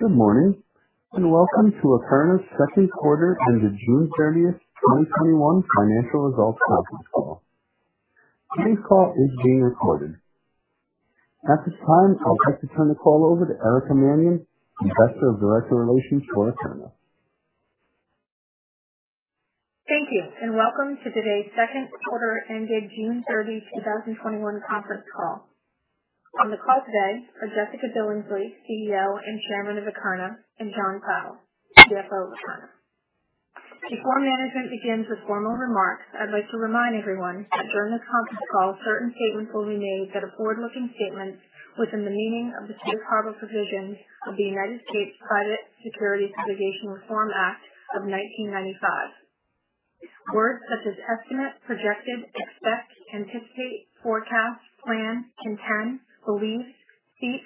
Good morning, and welcome to Akerna's second quarter and the June 30th, 2021 financial results conference call. Today's call is being recorded. At this time, I would like to turn the call over to Erica Mannion, Investor Relations for Akerna. Thank you, and welcome to today's second quarter ended June 30th, 2021 conference call. On the call today are Jessica Billingsley, CEO and Chairman of Akerna, and John Fowle, CFO of Akerna. Before management begins with formal remarks, I'd like to remind everyone that during this conference call, certain statements will be made that are forward-looking statements within the meaning of the safe harbor provisions of the United States Private Securities Litigation Reform Act of 1995. Words such as estimate, projected, expect, anticipate, forecast, plan, intend, believe, seek,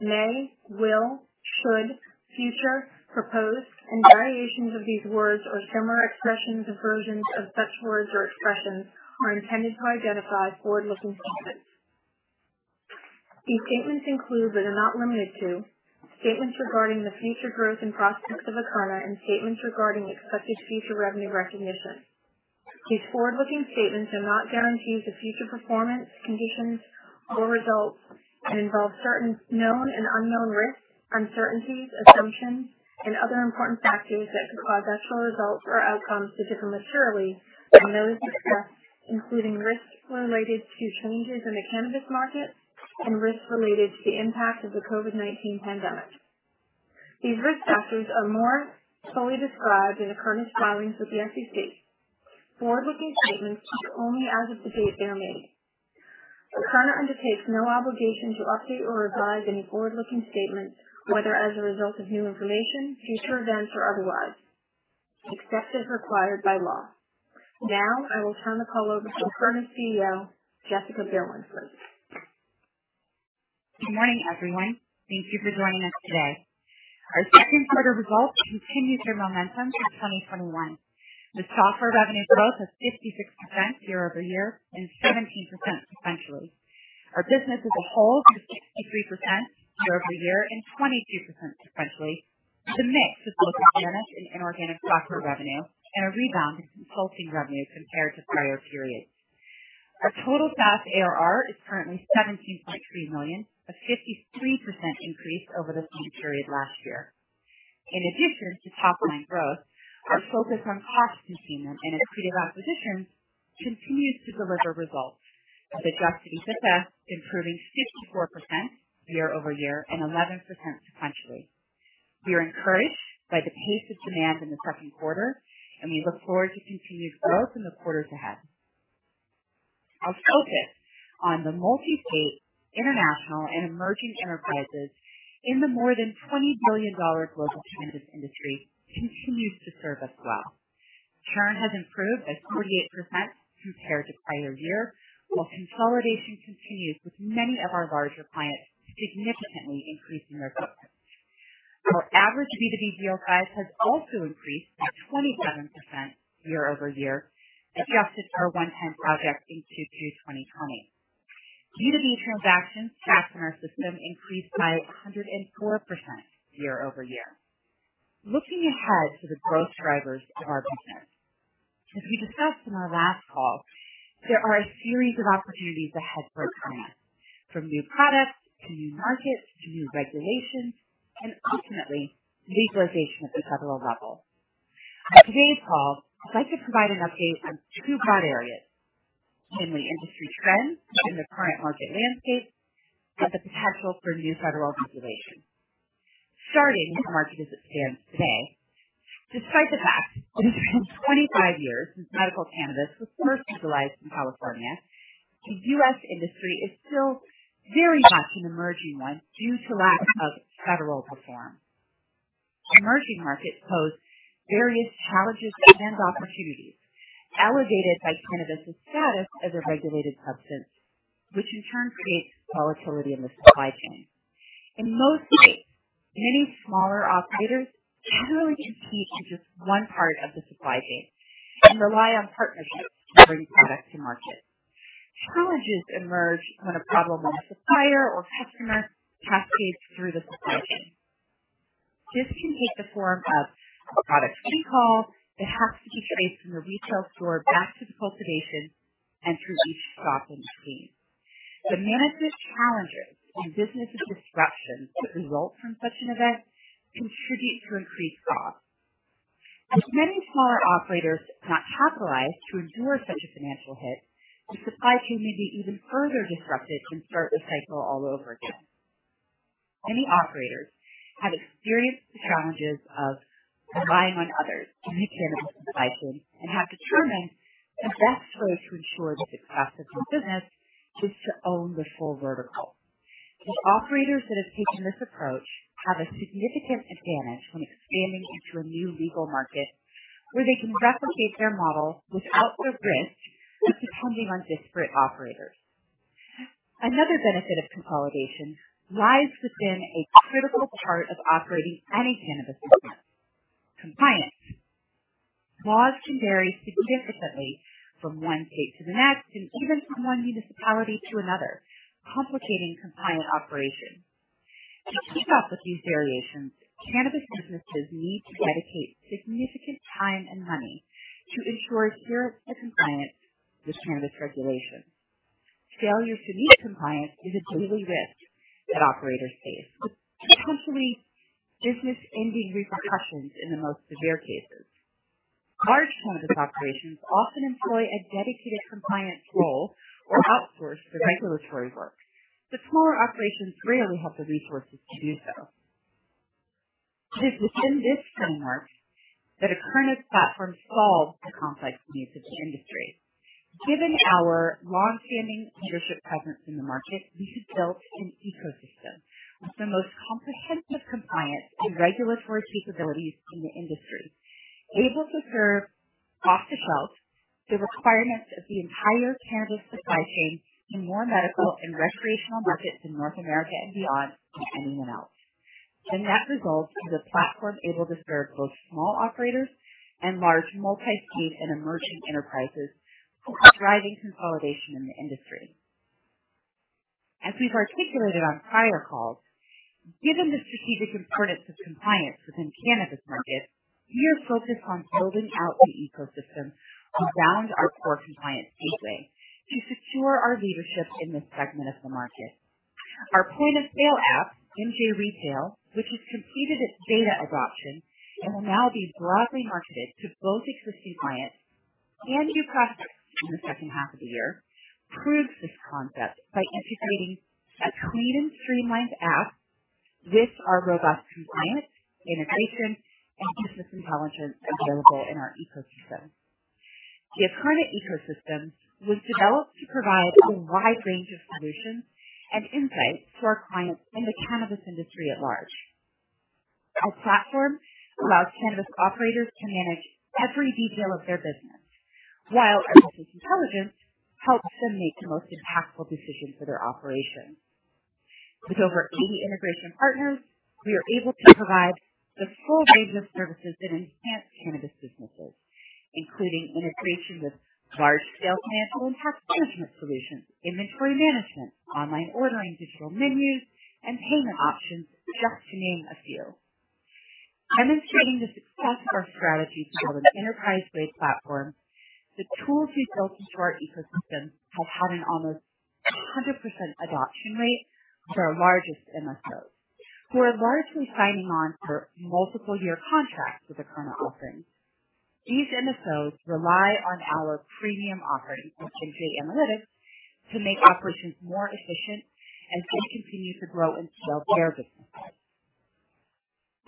may, will, should, future, proposed, and variations of these words or similar expressions or versions of such words or expressions are intended to identify forward-looking statements. These statements include but are not limited to statements regarding the future growth and prospects of Akerna and statements regarding expected future revenue recognition. These forward-looking statements are not guarantees of future performance, conditions, or results and involve certain known and unknown risks, uncertainties, assumptions, and other important factors that could cause actual results or outcomes to differ materially from those discussed, including risks related to changes in the cannabis market and risks related to the impact of the COVID-19 pandemic. These risk factors are more fully described in Akerna's filings with the SEC. Forward-looking statements speak only as of the date they are made. Akerna undertakes no obligation to update or revise any forward-looking statements, whether as a result of new information, future events, or otherwise, except as required by law. Now, I will turn the call over to Akerna's CEO, Jessica Billingsley. Good morning, everyone. Thank you for joining us today. Our second quarter results continued their momentum through 2021. The software revenue growth of 56% YoY and 17% sequentially. Our business as a whole was 53% YoY and 22% sequentially. The mix of both organic and inorganic software revenue and a rebound in consulting revenue compared to prior periods. Our total SaaS ARR is currently $17.3 million, a 53% increase over the same period last year. In addition to top-line growth, our focus on cost containment and accretive acquisitions continues to deliver results, with Adjusted EBITDA improving 54% YoY and 11% sequentially. We are encouraged by the pace of demand in the second quarter, and we look forward to continued growth in the quarters ahead. Our focus on the multi-state, international, and emerging enterprises in the more than $20 billion global cannabis industry continues to serve us well. Churn has improved by 28% compared to prior year, while consolidation continues with many of our larger clients significantly increasing their business. Our average B2B deal size has also increased by 27% YoY, adjusted for one-time projects in Q2 2020. B2B transactions SaaS in our system increased by 104% YoY. Looking ahead to the growth drivers of our business. As we discussed on our last call, there are a series of opportunities ahead for Akerna, from new products to new markets to new regulations, and ultimately, legalization at the federal level. On today's call, I'd like to provide an update on two broad areas: namely industry trends in the current market landscape and the potential for new federal legislation. Starting with the market as it stands today. Despite the fact it has been 25 years since medical cannabis was first legalized in California, the U.S. industry is still very much an emerging one due to lack of federal reform. Emerging markets pose various challenges and opportunities allocated by cannabis' status as a regulated substance, which in turn creates volatility in the supply chain. In most states, many smaller operators generally compete to just one part of the supply chain and rely on partnerships to bring products to market. Challenges emerge when a problem on a supplier or customer cascades through the supply chain. This can take the form of a product recall that has to be traced from the retail store back to the cultivation and through each stop in between. The management challenges and business disruptions that result from such an event contribute to increased costs. As many smaller operators cannot capitalize to endure such a financial hit, the supply chain may be even further disrupted and start the cycle all over again. Many operators have experienced the challenges of relying on others in the cannabis supply chain and have determined the best way to ensure the success of their business is to own the full vertical. The operators that have taken this approach have a significant advantage when expanding into a new legal market where they can replicate their model without the risk of depending on disparate operators. Another benefit of consolidation lies within a critical part of operating any cannabis business: compliance. Laws can vary significantly from one state to the next, and even from one municipality to another, complicating compliant operation. To keep up with these variations, cannabis businesses need to dedicate significant time and money to ensure they're in compliance with cannabis regulations. Failure to meet compliance is a daily risk that operators face, with potentially business-ending repercussions in the most severe cases. Large cannabis operations often employ a dedicated compliance role or outsource the regulatory work, but smaller operations rarely have the resources to do so. It is within this framework that Akerna's platform solves the complex needs of the industry. Given our long-standing leadership presence in the market, we have built an ecosystem with the most comprehensive compliance and regulatory capabilities in the industry, able to serve off-the-shelf the requirements of the entire cannabis supply chain in more medical and recreational markets in North America and beyond than anyone else. The net result is a platform able to serve both small operators and large multi-state and emerging enterprises, driving consolidation in the industry. As we've articulated on prior calls, given the strategic importance of compliance within cannabis markets, we are focused on building out the ecosystem around our core Compliance Gateway to secure our leadership in this segment of the market. Our point-of-sale app, MJ Retail, which has completed its beta adoption and will now be broadly marketed to both existing clients and new prospects in the second half of the year, proves this concept by integrating a clean and streamlined app with our robust compliance, integration, and business intelligence available in our ecosystem. The Akerna ecosystem was developed to provide a wide range of solutions and insights to our clients in the cannabis industry at large. Our platform allows cannabis operators to manage every detail of their business, while our business intelligence helps them make the most impactful decisions for their operations. With over 80 integration partners, we are able to provide the full range of services that enhance cannabis businesses, including integration with large-scale financial and tax management solutions, inventory management, online ordering, digital menus, and payment options, just to name a few. Demonstrating the success of our strategy to build an enterprise-grade platform, the tools we've built into our ecosystem have had an almost 100% adoption rate for our largest MSOs, who are largely signing on for multiple-year contracts with Akerna offerings. These MSOs rely on our premium offering of MJ Analytics to make operations more efficient as they continue to grow and scale their businesses.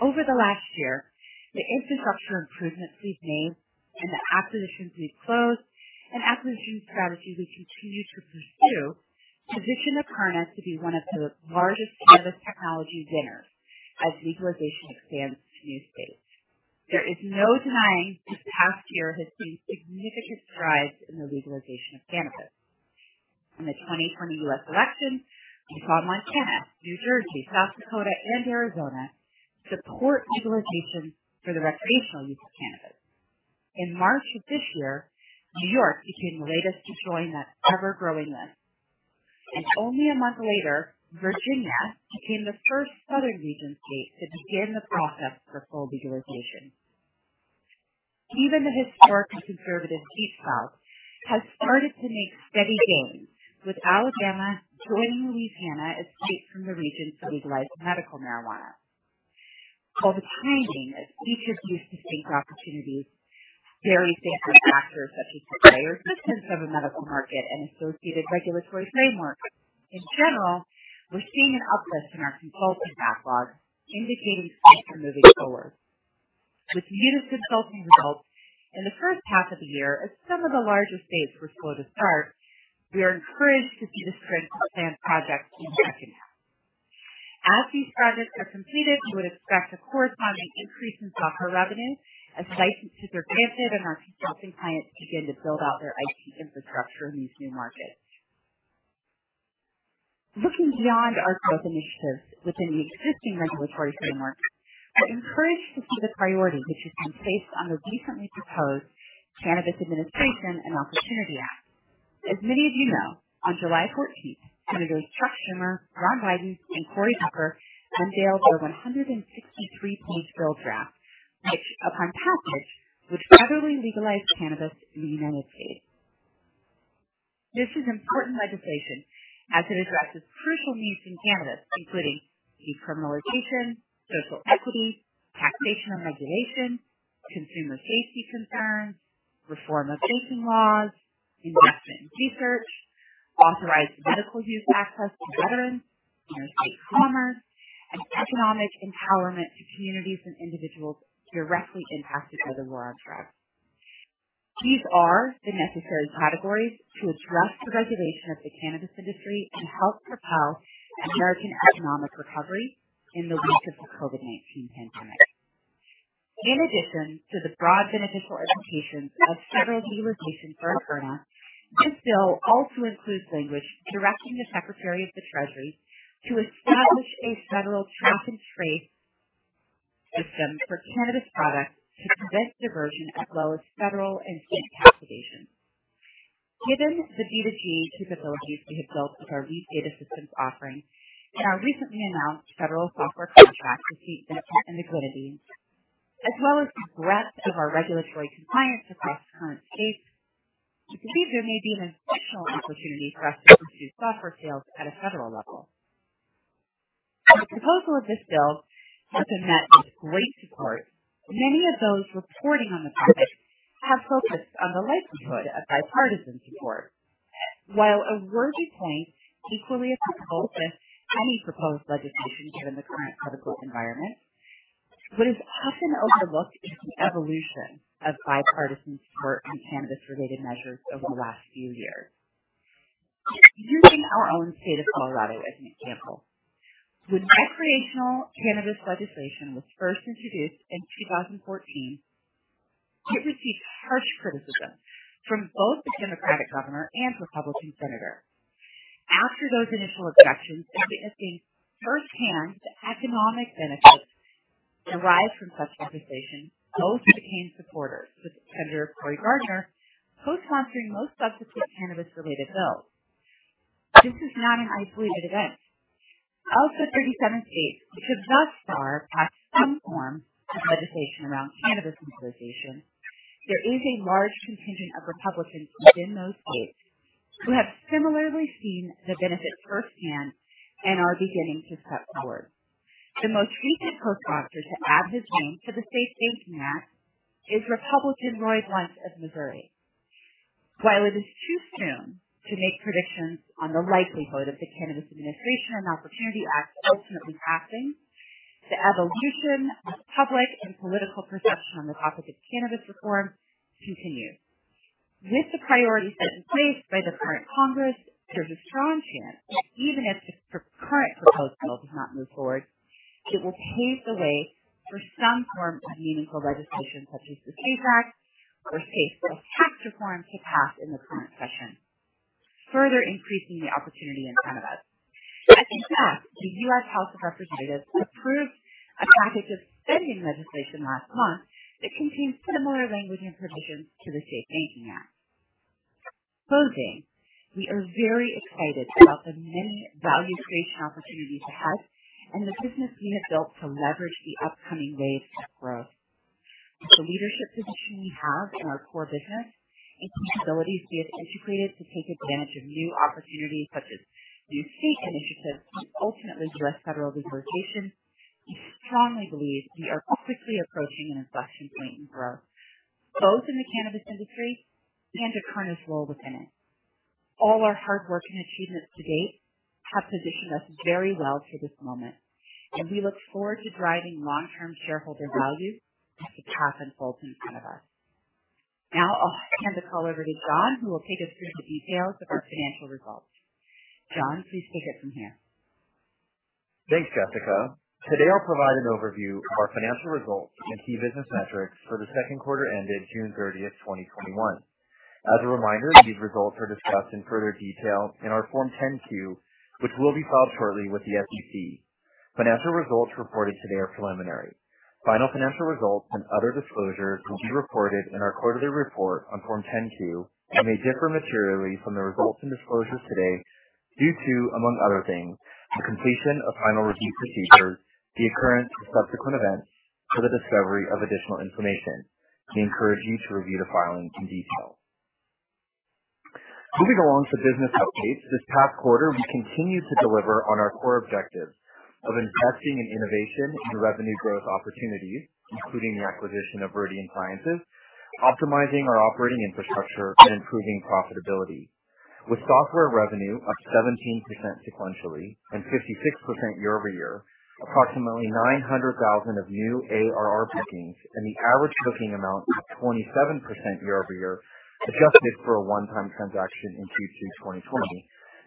Over the last year, the infrastructure improvements we've made and the acquisitions we've closed and acquisition strategy we continue to pursue, position Akerna to be one of the largest cannabis technology winners as legalization expands to new states. There is no denying this past year has seen significant strides in the legalization of cannabis. In the 2020 U.S. election, Vermont, Kansas, New Jersey, South Dakota, and Arizona support legalization for the recreational use of cannabis. In March of this year, New York became the latest to join that ever-growing list. Only a month later, Virginia became the first Southern Region state to begin the process for full legalization. Even the historically conservative Deep South has started to make steady gains, with Alabama joining Louisiana as states from the region to legalize medical marijuana. While the timing of each of these distinct opportunities varies based on factors such as the prior existence of a medical market and associated regulatory framework, in general, we're seeing an uplift in our consulting backlog, indicating strength for moving forward. With muted consulting results in the 1st half of the year as some of the larger states were slow to start, we are encouraged to see the strength of planned projects in the second half. As these projects are completed, we would expect a corresponding increase in software revenue as licenses are granted and our consulting clients begin to build out their IT infrastructure in these new markets. Looking beyond our growth initiatives within the existing regulatory framework, I'm encouraged to see the priority which has been placed on the recently proposed Cannabis Administration and Opportunity Act. As many of you know, on July 14th, Senators Chuck Schumer, Ron Wyden, and Cory Booker unveiled their 163-page bill draft, which, upon passage, would federally legalize cannabis in the United States. This is important legislation as it addresses crucial needs in cannabis, including decriminalization, social equity, taxation and regulation, consumer safety concerns, reform of banking laws, investment in research, authorized medical use access to veterans, interstate commerce, and economic empowerment to communities and individuals directly impacted by the war on drugs. These are the necessary categories to address the regulation of the cannabis industry and help propel American economic recovery in the wake of the COVID-19 pandemic. In addition to the broad beneficial implications of federal legalization for Akerna, this bill also includes language directing the Secretary of the Treasury to establish a federal track and trace system for cannabis products to prevent diversion as well as federal and state taxation. Given the B2B capabilities we have built with our Leaf Data Systems offering and our recently announced federal software contract to St. Vincent and the Grenadines, as well as the breadth of our regulatory compliance across the current space, we believe there may be an additional opportunity for us to pursue software sales at a federal level. The proposal of this bill has been met with great support. Many of those reporting on the topic have focused on the likelihood of bipartisan support. While a worthy point, equally as possible with any proposed legislation, given the current political environment, what is often overlooked is the evolution of bipartisan support on cannabis-related measures over the last few years. Using our own state of Colorado as an example. When recreational cannabis legislation was first introduced in 2014, it received harsh criticism from both the Democratic governor and Republican senator. After those initial objections and witnessing firsthand the economic benefits derived from such legislation, both became supporters, with Senator Cory Gardner co-sponsoring most subsequent cannabis-related bills. This is not an isolated event. Of the 37 states, which have thus far passed some form of legislation around cannabis legalization, there is a large contingent of Republicans within those states who have similarly seen the benefit firsthand and are beginning to step forward. The most recent co-sponsor to add his name to the SAFE Banking Act is Republican Roy Blunt of Missouri. While it is too soon to make predictions on the likelihood of the Cannabis Administration and Opportunity Act ultimately passing, the evolution of public and political perception on the topic of cannabis reform continues. With the priorities set in place by the current Congress, there's a strong chance, even if the current proposed bill does not move forward, it will pave the way for some form of meaningful legislation, such as the PAYE Act, or safe tax reforms to pass in the current session, further increasing the opportunity in cannabis. In fact, the U.S. House of Representatives approved a package of spending legislation last month that contains similar language and provisions to the SAFE Banking Act. Closing, we are very excited about the many value creation opportunities ahead and the business we have built to leverage the upcoming wave of growth. The leadership position we have in our core business and capabilities we have integrated to take advantage of new opportunities such as new state initiatives and ultimately U.S. federal legalization, we strongly believe we are quickly approaching an inflection point in growth, both in the cannabis industry and Akerna's role within it. All our hard work and achievements to date have positioned us very well for this moment, and we look forward to driving long-term shareholder value as the path unfolds in cannabis. Now I'll hand the call over to John, who will take us through the details of our financial results. John, please take it from here. Thanks, Jessica. Today I'll provide an overview of our financial results and key business metrics for the second quarter ended June 30th, 2021. As a reminder, these results are discussed in further detail in our Form 10-Q, which will be filed shortly with the SEC. Financial results reported today are preliminary. Final financial results and other disclosures will be reported in our quarterly report on Form 10-Q and may differ materially from the results and disclosures today due to, among other things, the completion of final review procedures, the occurrence of subsequent events, or the discovery of additional information. We encourage you to review the filing in detail. Moving along to business updates, this past quarter, we continued to deliver on our core objectives of investing in innovation and revenue growth opportunities, including the acquisition of Viridian Sciences, optimizing our operating infrastructure, and improving profitability. With software revenue up 17% sequentially and 56% YoY, approximately $900,000 of new ARR bookings and the average booking amount up 27% YoY, adjusted for a one-time transaction in Q2 2020.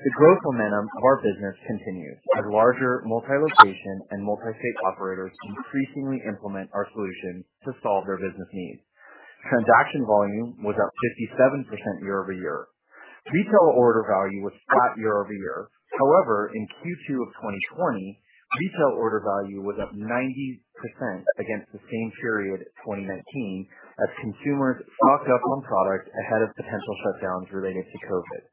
The growth momentum of our business continues as larger multi-location and multi-state operators increasingly implement our solutions to solve their business needs. Transaction volume was up 57% YoY. Retail order value was flat YoY. In Q2 of 2020, retail order value was up 90% against the same period in 2019 as consumers stocked up on products ahead of potential shutdowns related to COVID-19.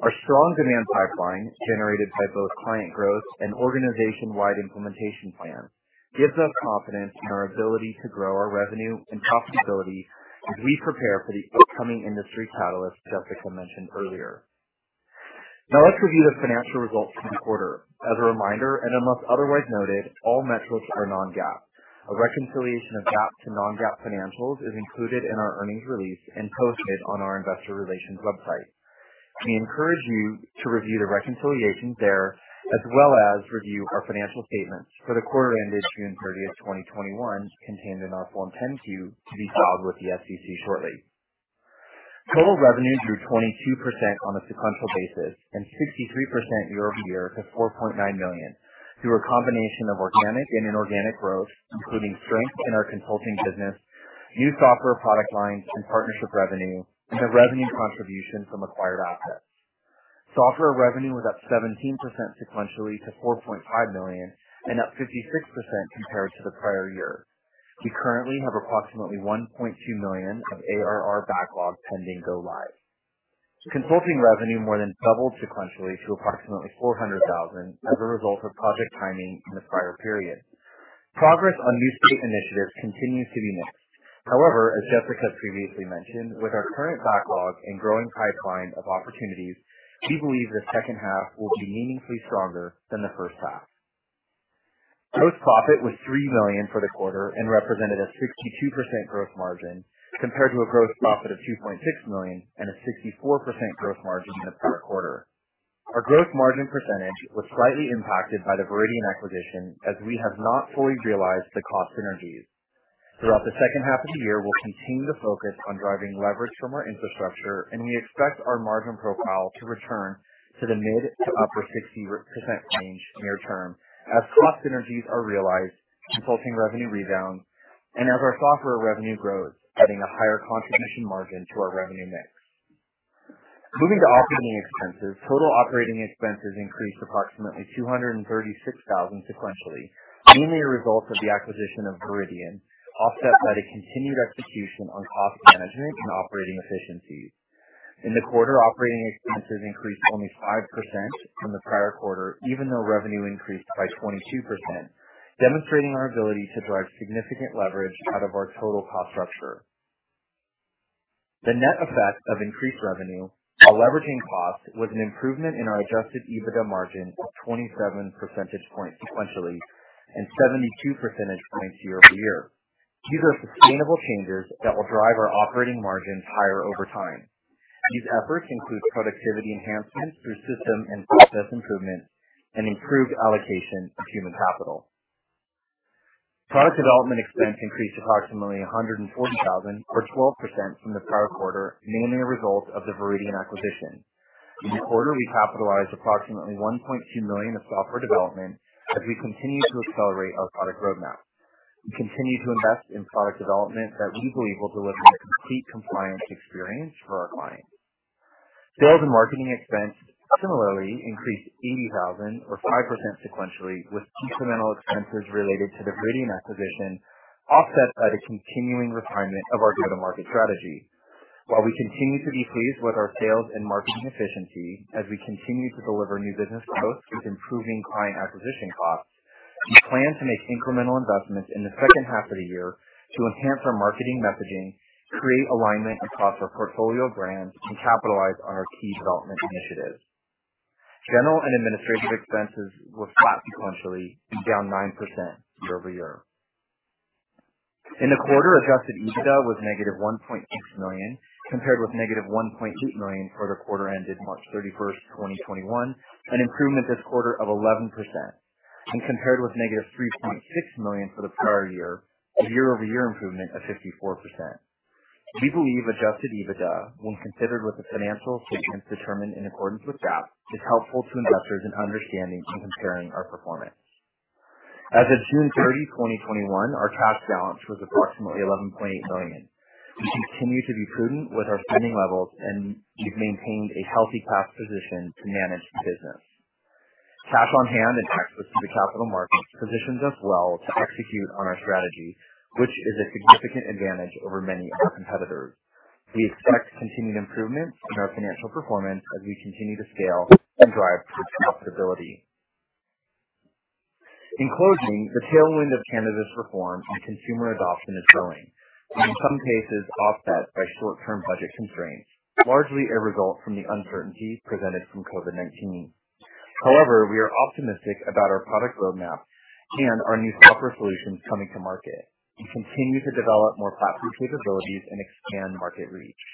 Our strong demand pipeline, generated by both client growth and organization-wide implementation plans, gives us confidence in our ability to grow our revenue and profitability as we prepare for the upcoming industry catalysts Jessica mentioned earlier. Now let's review the financial results from the quarter. As a reminder, and unless otherwise noted, all metrics are non-GAAP. A reconciliation of GAAP to non-GAAP financials is included in our earnings release and posted on our investor relations website. We encourage you to review the reconciliations there as well as review our financial statements for the quarter ended June 30th, 2021, contained in our Form 10-Q to be filed with the SEC shortly. Total revenue grew 22% on a sequential basis and 63% YoY to $4.9 million through a combination of organic and inorganic growth, including strength in our consulting business, new software product lines and partnership revenue, and the revenue contribution from acquired assets. Software revenue was up 17% sequentially to $4.5 million and up 56% compared to the prior year. We currently have approximately $1.2 million of ARR backlog pending go live. Consulting revenue more than doubled sequentially to approximately $400,000 as a result of project timing in the prior period. Progress on new state initiatives continues to be mixed. However, as Jessica previously mentioned, with our current backlog and growing pipeline of opportunities, we believe the second half will be meaningfully stronger than the first half. Gross profit was $3 million for the quarter and represented a 62% growth margin compared to a gross profit of $2.6 million and a 64% growth margin in the prior quarter. Our growth margin percentage was slightly impacted by the Viridian acquisition, as we have not fully realized the cost synergies. Throughout the second half of the year, we'll continue to focus on driving leverage from our infrastructure, and we expect our margin profile to return to the mid to upper 60% range near term as cost synergies are realized, consulting revenue rebounds, and as our software revenue grows, adding a higher contribution margin to our revenue mix. Moving to operating expenses, total operating expenses increased approximately $236,000 sequentially, mainly a result of the acquisition of Viridian, offset by the continued execution on cost management and operating efficiencies. In the quarter, operating expenses increased only 5% from the prior quarter, even though revenue increased by 22%, demonstrating our ability to drive significant leverage out of our total cost structure. The net effect of increased revenue while leveraging costs was an improvement in our Adjusted EBITDA margin of 27 percentage points sequentially and 72 percentage points YoY. These are sustainable changes that will drive our operating margins higher over time. These efforts include productivity enhancements through system and process improvements and improved allocation of human capital. Product development expense increased approximately $140,000 or 12% from the prior quarter, mainly a result of the Viridian acquisition. In the quarter, we capitalized approximately $1.2 million of software development as we continue to accelerate our product roadmap. We continue to invest in product development that we believe will deliver a complete compliance experience for our clients. Sales and marketing expense similarly increased $80,000 or 5% sequentially, with incremental expenses related to the Viridian acquisition offset by the continuing refinement of our go-to-market strategy. While we continue to be pleased with our sales and marketing efficiency as we continue to deliver new business growth with improving client acquisition costs, we plan to make incremental investments in the second half of the year to enhance our marketing messaging, create alignment across our portfolio brands, and capitalize on our key development initiatives. General and administrative expenses were flat sequentially and down 9% YoY. In the quarter, Adjusted EBITDA was -$1.6 million, compared with -$1.8 million for the quarter ended March 31st, 2021, an improvement this quarter of 11%, and compared with -$3.6 million for the prior year, a YoY improvement of 54%. We believe Adjusted EBITDA, when considered with the financial statements determined in accordance with GAAP, is helpful to investors in understanding and comparing our performance. As of June 30, 2021, our cash balance was approximately $11.8 million. We continue to be prudent with our spending levels, and we've maintained a healthy cash position to manage the business. Cash on hand and access to the capital markets positions us well to execute on our strategy, which is a significant advantage over many of our competitors. We expect continued improvement in our financial performance as we continue to scale and drive towards profitability. In closing, the tailwind of cannabis reform and consumer adoption is growing and in some cases offset by short-term budget constraints, largely a result from the uncertainty presented from COVID-19. However, we are optimistic about our product roadmap and our new software solutions coming to market. We continue to develop more platform capabilities and expand market reach.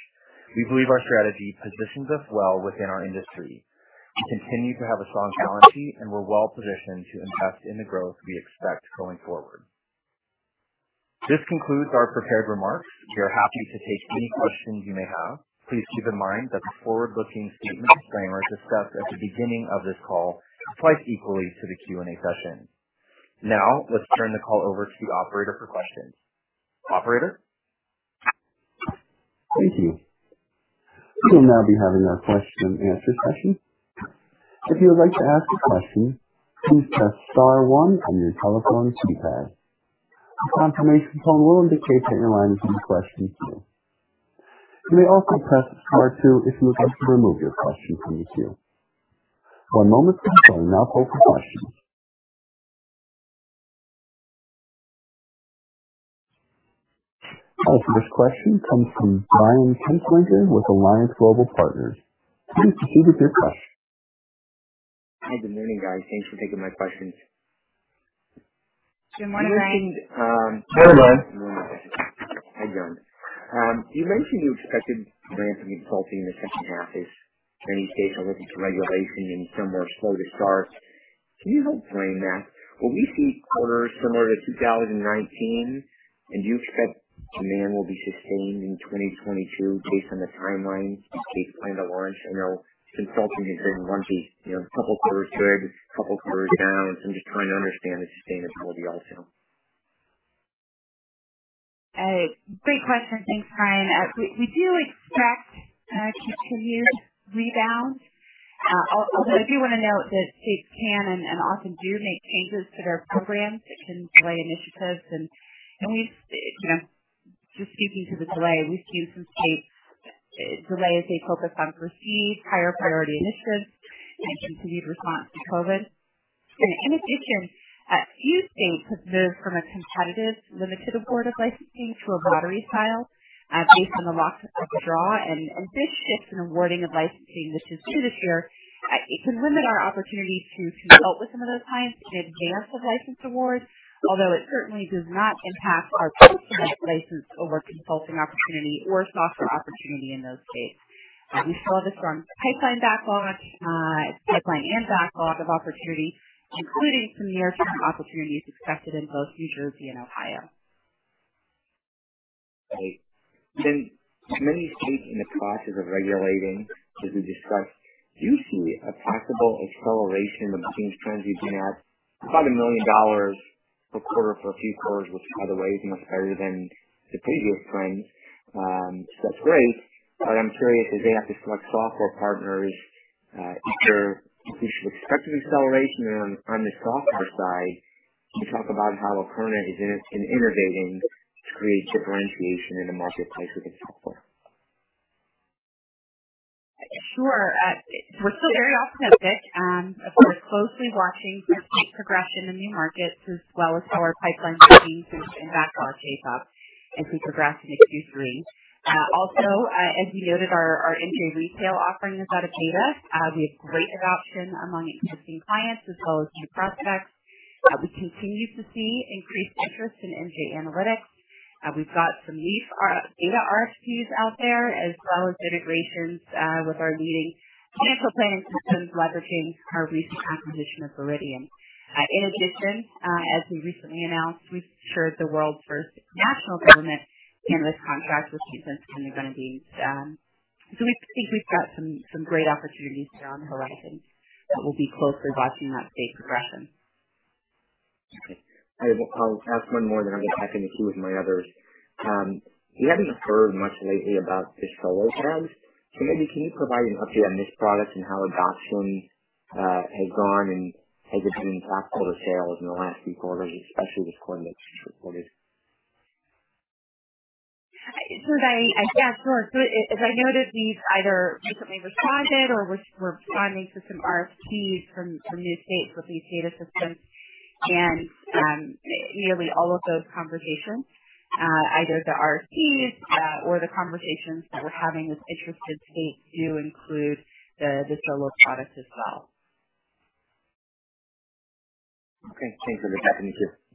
We believe our strategy positions us well within our industry. We continue to have a strong balance sheet, and we're well positioned to invest in the growth we expect going forward. This concludes our prepared remarks. We are happy to take any questions you may have. Please keep in mind that the forward-looking statement disclaimer discussed at the beginning of this call applies equally to the Q&A session. Let's turn the call over to the operator for questions. Operator? Thank you. We will now be having a question and answer session. If you would like to ask your question, please press star one on your telephone keypad. You may also press star two to remove yourself from the queue. Our first question comes from Brian Kinstlinger with Alliance Global Partners. Please proceed with your question. Good morning, guys. Thanks for taking my questions. Good morning Brian. You mentioned. Good morning. Good morning. Hi, Brian here. You mentioned you expected ramp in consulting in the second half if any states are looking to regulate and some are slow to start. Can you help frame that? Will we see quarters similar to 2019? Do you expect demand will be sustained in 2022 based on the timelines you guys plan to launch? I know consulting has been lumpy, a couple quarters good, couple quarters down. I'm just trying to understand the sustainability also. Great question. Thanks, Brian. We do expect continued rebound. Although I do want to note that states can and often do make changes to their programs and delay initiatives, and just speaking to the delay, we've seen some states delay as they focus on perceived higher priority initiatives and continued response to COVID-19. In addition, a few states moved from a competitive limited award of licensing to a lottery style based on the luck of the draw. This shift in awarding of licensing, which is new this year, it can limit our opportunity to build with some of those clients in advance of license awards, although it certainly does not impact our post-license or our consulting opportunity or software opportunity in those states. We still have a strong pipeline backlog, pipeline and backlog of opportunity, including some near-term opportunities expected in both New Jersey and Ohio. Great. Many states in the process of regulating, as we discussed, do see a taxable acceleration of existing trends we've been at about $1 million per quarter for a few quarters, which by the way, is much higher than the previous trends. That's great. I'm curious as they have to select software partners, if we should expect an acceleration on the software side. Can you talk about how Akerna has been innovating to create differentiation in the marketplace within software? Sure, we're still very optimistic. Closely watching state progression in new markets as well as how our pipeline and backlog shape up as we progress into Q3. As we noted, our MJ Retail offering is out of beta. We have great adoption among existing clients as well as new prospects. We continue to see increased interest in MJ Analytics. We've got some Leaf Data RFPs out there, as well as integrations with our leading financial planning systems leveraging our recent acquisition of Viridian. As we recently announced, we've secured the world's first national government cannabis contract. We think we've got some great opportunities here on the horizon, but we'll be closely watching that state progression. Okay. I'll ask one more, then I'm going to pass it to my others. We haven't heard much lately about the Solo product. Maybe can you provide an update on this product and how adoption has gone, and has it been impactful to sales in the last few quarters, especially with quarter that just reported? Yes, sure. As I noted, we've either recently responded or we're responding to some RFPs from new states with Leaf Data Systems. Nearly all of those conversations, either the RFPs or the conversations that we're having with interested states do include the Solo product as well. Okay. Thanks for the update.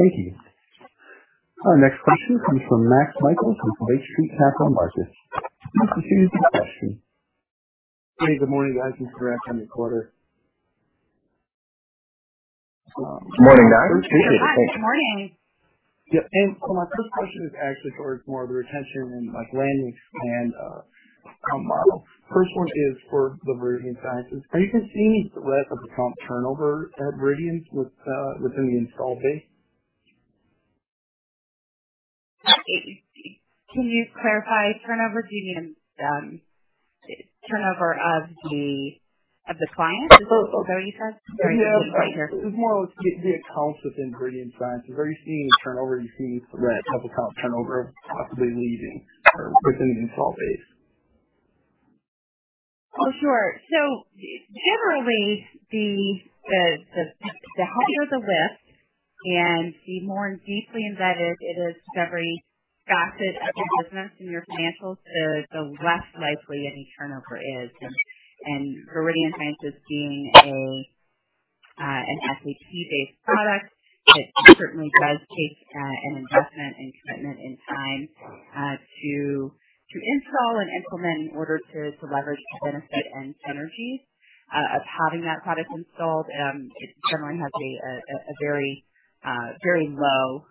Thank you. Our next question comes from Max Michaelis with Lake Street Capital Markets. Please proceed with your question. Hey, good morning, guys. It's Max on the quarter. Morning, Max. Hi, good morning. Yeah. My first question is actually towards more of the retention and land expand account model. First one is for the Viridian Sciences. Are you seeing less of account turnover at Viridian within the install base? Can you clarify? Turnover do you mean turnover of the client? Is that what you said? Yeah. It was more like the accounts within Viridian Sciences. Are you seeing turnover? Are you seeing less of account turnover possibly leaving within the install base? Oh, sure. Generally, the higher the lift and the more deeply embedded it is to every facet of your business and your financials, the less likely any turnover is. Viridian Sciences being an SAP-based product, it certainly does take an investment and commitment in time to install and implement in order to leverage the benefit and synergies of having that product installed. It generally has a very low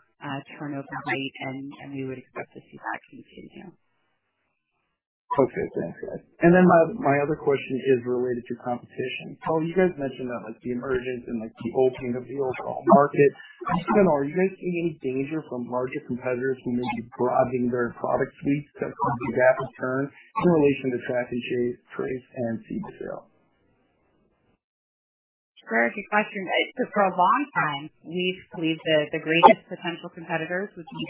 turnover rate, and we would expect to see that continue. Okay. Thanks, guys. My other question is related to competition. You guys mentioned that the emergence and the opening of the overall market. Just in general, are you guys seeing any danger from larger competitors who may be broadening their product suites that could be rapid turn in relation to track, trace, and seed-to-sale? Great question. For a long time, we've believed that the greatest potential competitors would be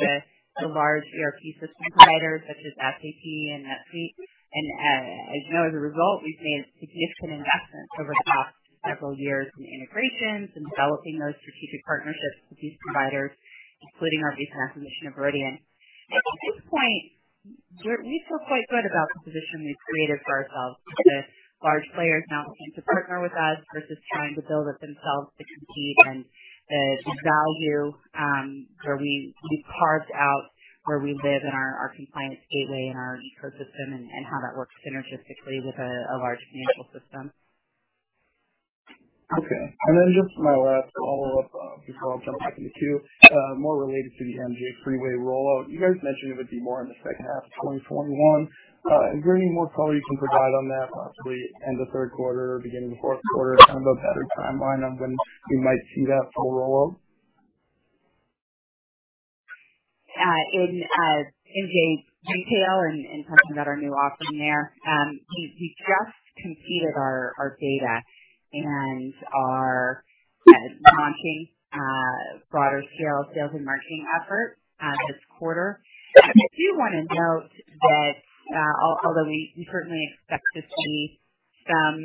the large ERP system providers such as SAP and NetSuite. As you know, as a result, we've made significant investments over the past several years in integrations and developing those strategic partnerships with these providers, including our recent acquisition of Viridian. At this point, we feel quite good about the position we've created for ourselves with the large players now looking to partner with us versus trying to build it themselves to compete and the value we've carved out where we live in our Compliance Gateway and our ecosystem and how that works synergistically with a large financial system. Okay. Just my last follow-up before I'll jump back into queue, more related to the MJ Freeway rollout. You guys mentioned it would be more in the second half of 2021. Is there any more color you can provide on that, possibly end of third quarter or beginning of fourth quarter, kind of a better timeline on when we might see that full rollout? In detail and touching on our new offering there, we just completed our data and are launching broader scale sales and marketing efforts this quarter. I do want to note that although we certainly expect to see some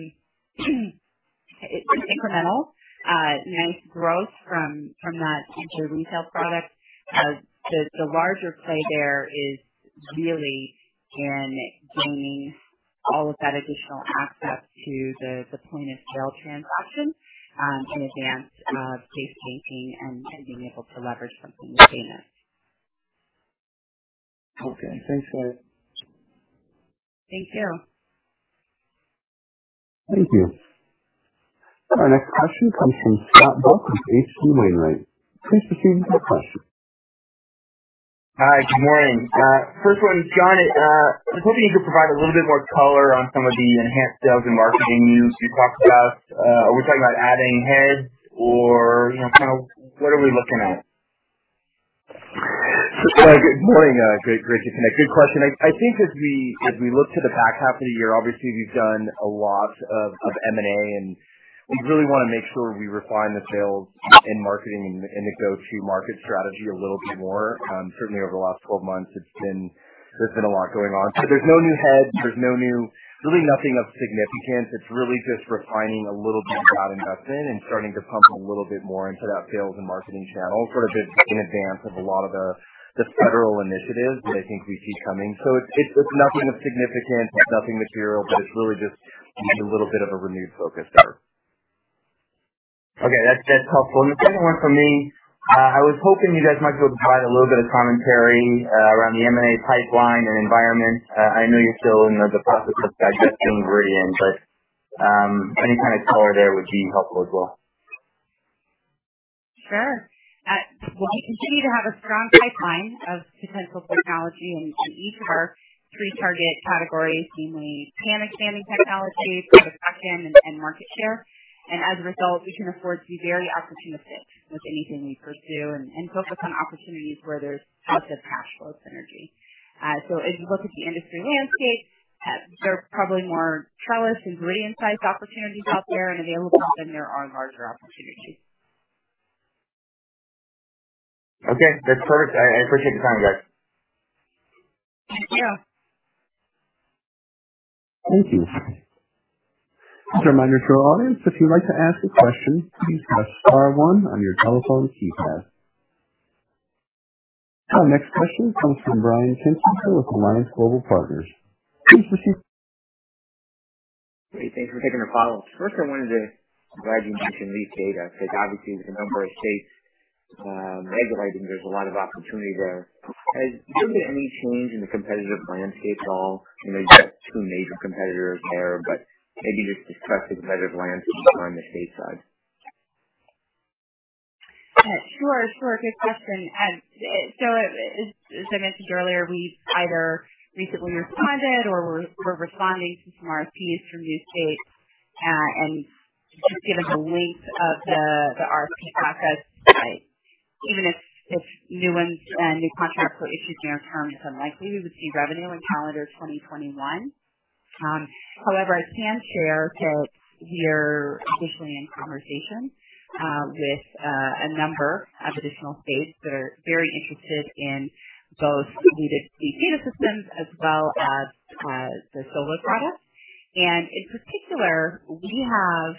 incremental nice growth from that into retail product, the larger play there is really in gaining all of that additional access to the point-of-sale transaction in advance of case guessing and being able to leverage something like AMIS. Okay. Thanks, Jessica. Thank you. Thank you. Our next question comes from Scott Buck with H.C. Wainwright. Please proceed with your question. Hi, good morning. First one, John, I was hoping you could provide a little bit more color on some of the enhanced sales and marketing moves you talked about. Are we talking about adding heads or what are we looking at? Good morning. Great to connect. Good question. I think as we look to the back half of the year, obviously, we've done a lot of M&A. We really want to make sure we refine the sales and marketing and the go-to-market strategy a little bit more. Certainly over the last 12 months, there's been a lot going on. There's no new heads, there's really nothing of significance. It's really just refining a little bit of that investment and starting to pump a little bit more into that sales and marketing channel, sort of in advance of a lot of the federal initiatives that I think we see coming. It's nothing of significance, it's nothing material, but it's really just a little bit of a renewed focus there. Okay, that's helpful. The second one from me, I was hoping you guys might be able to provide a little bit of commentary around the M&A pipeline and environment. I know you're still in the process of digesting Viridian, any kind of color there would be helpful as well. Sure. We continue to have a strong pipeline of potential technology in each of our three target categories, namely pan-expanding technology, product action, and market share. As a result, we can afford to be very opportunistic with anything we pursue and focus on opportunities where there's positive cash flow synergy. If you look at the industry landscape, there are probably more Trellis and Viridian-sized opportunities out there and available than there are larger opportunities. Okay, that's perfect. I appreciate your time, guys. Thank you. Thank you. Just a reminder to our audience, if you would like to ask a question, please press star 1 on your telephone keypad. Our next question comes from Brian Kinstlinger with Alliance Global Partners. Please proceed. Great. Thanks for taking the call. First, I'm glad you mentioned Leaf Data, because obviously with a number of states legislating, there's a lot of opportunity there. Do you see any change in the competitive landscape at all? I know you've got two major competitors there, but maybe just discuss the competitive landscape on the state side. Sure. Good question. As I mentioned earlier, we've either recently responded or we're responding to some RFPs from new states. Just given the length of the RFP process, even if new ones and new contracts were issued near-term, it's unlikely we would see revenue in calendar 2021. However, I can share that we're officially in conversations with a number of additional states that are very interested in both B2G data systems as well as the Solo product. In particular, we have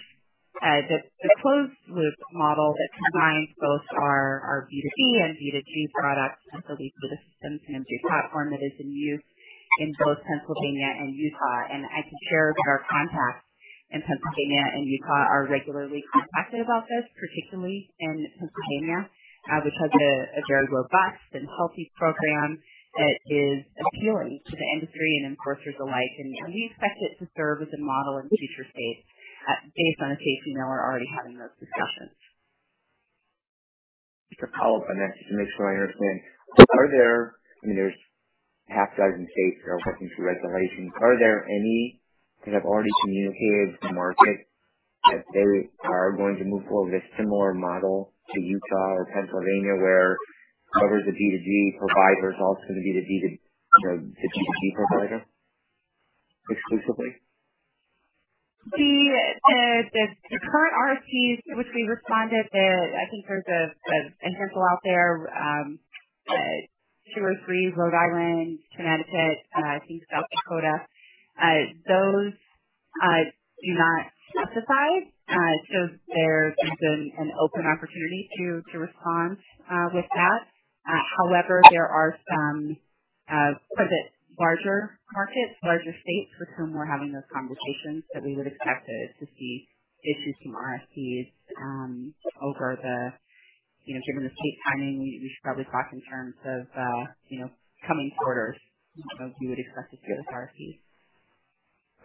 the closed loop model that combines both our B2B and B2G products and solutions to the systems and MJ Platform that is in use in both Pennsylvania and Utah. I can share that our contacts in Pennsylvania and Utah are regularly contacted about this, particularly in Pennsylvania, which has a very robust and healthy program that is appealing to the industry and enforcers alike. We expect it to serve as a model in future states. Based on the case email, we're already having those discussions. Just to follow up on that, just to make sure I understand. There's a half dozen states that are working through regulations. Are there any that have already communicated to the market that they are going to move towards a similar model to Utah or Pennsylvania, where others, the B2G provider is also going to be the B2G provider exclusively? The current RFPs to which we responded that I think there's a handful out there, two or three, Rhode Island, Connecticut, I think South Dakota, those do not specify. There is an open opportunity to respond with that. However, there are some sort of larger markets, larger states with whom we're having those conversations that we would expect to see issues from RFPs. Given the state timing, we should probably talk in terms of coming quarters of you would expect to see those RFPs.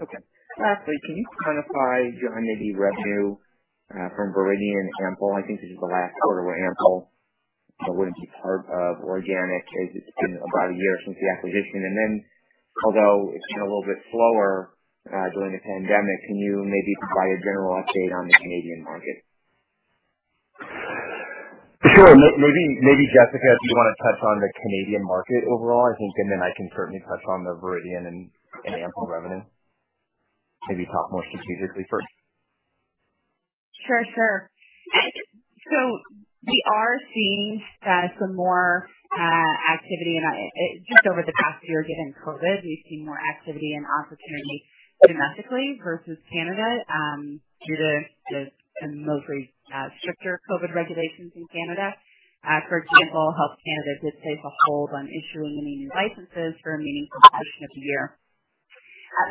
Okay. Lastly, can you quantify your annuity revenue from Viridian and Ample? I think this is the last quarter where Ample wouldn't be part of organic, as it's been about a year since the acquisition. Although it's been a little bit slower during the pandemic, can you maybe provide a general update on the Canadian market? Sure. Maybe, Jessica, do you want to touch on the Canadian market overall? I think, and then I can certainly touch on the Viridian and Ample revenue. Maybe talk more strategically first. Sure, sure. We are seeing some more activity, just over the past year given COVID, we've seen more activity and opportunity domestically versus Canada, due to mostly stricter COVID regulations in Canada. For example, Health Canada did place a hold on issuing any new licenses for a meaningful portion of the year.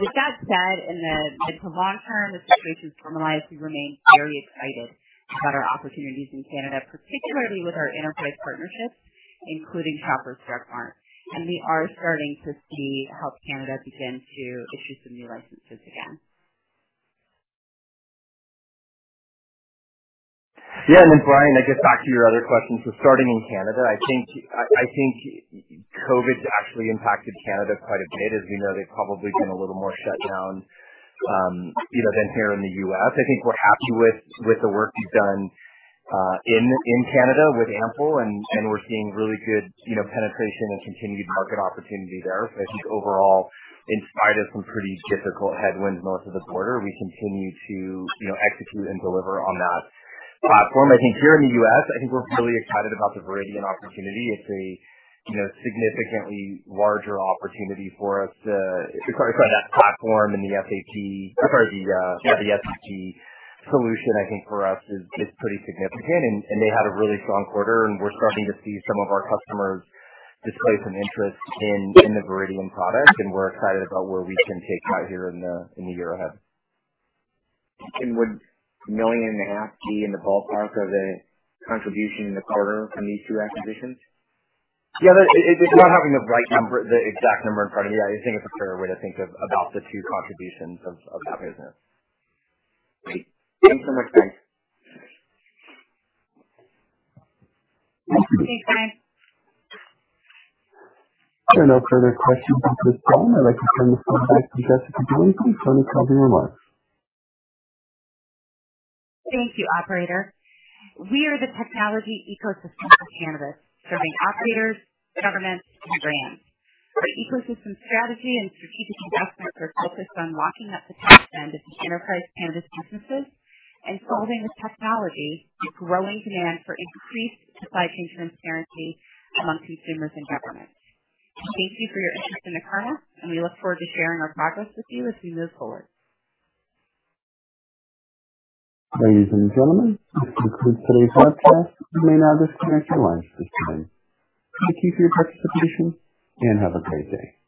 With that said, in the mid to long term, the situation is normalized. We remain very excited about our opportunities in Canada, particularly with our enterprise partnerships, including Shoppers Drug Mart. We are starting to see Health Canada begin to issue some new licenses again. Yeah. Brian, I guess back to your other question. Starting in Canada, I think COVID-19's actually impacted Canada quite a bit. As we know, they've probably been a little more shut down than here in the U.S. I think we're happy with the work we've done, in Canada with Ample, and we're seeing really good penetration and continued market opportunity there. I think overall, in spite of some pretty difficult headwinds north of the border, we continue to execute and deliver on that platform. I think here in the U.S., I think we're really excited about the Viridian opportunity. It's a significantly larger opportunity for us to, if you try to run that platform and the FP&A solution, I think for us is pretty significant. They had a really strong quarter. We're starting to see some of our customers display some interest in the Viridian product. We're excited about where we can take that here in the year ahead. Would a million and a half be in the ballpark of a contribution in the quarter from these two acquisitions? Yeah. Without having the exact number in front of me, I think that's a fair way to think of about the 2 contributions of that business. Great. Thanks so much, guys. Thanks, guys. If there are no further questions at this time, I'd like to turn this call back to Jessica Billingsley for any closing remarks. Thank you, Operator. We are the technology ecosystem for cannabis, serving operators, governments, and brands. Our ecosystem strategy and strategic investments are focused on locking up the top end of the enterprise cannabis businesses and solving with technology the growing demand for increased supply chain transparency among consumers and governments. Thank you for your interest in Akerna, and we look forward to sharing our progress with you as we move forward. Ladies and gentlemen, this concludes today's podcast. You may now disconnect your lines at this time. Thank you for your participation and have a great day.